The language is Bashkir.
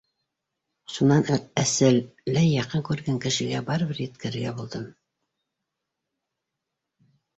Шунан әсәләй яҡын күргән кешегә барыбер еткерергә булдым: